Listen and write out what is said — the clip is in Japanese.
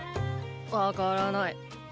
⁉わからない。